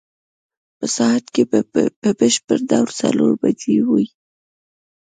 په ساعت کې په بشپړ ډول څلور بجې وې.